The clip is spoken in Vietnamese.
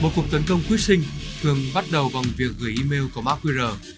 một cuộc tấn công quyết sinh thường bắt đầu bằng việc gửi email của mark weirer